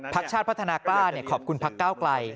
ชาติพัฒนากล้าขอบคุณพักก้าวไกล